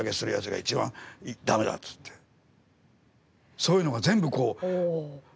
そういうのが全部こう。